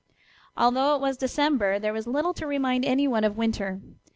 Although it was December, there was little to remind anyone of winter.